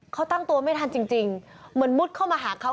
เขาตั้งตัวไม่ทันจริงเหมือนมุดเข้ามาหาเขา